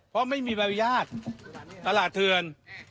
เพราะไม่มีบรรยาทตลาดเทือน